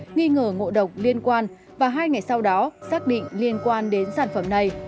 nghi ngờ ngộ độc liên quan và hai ngày sau đó xác định liên quan đến sản phẩm này